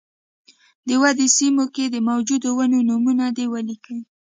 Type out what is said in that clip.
د ودې سیمو کې د موجودو ونو نومونه دې ولیکي.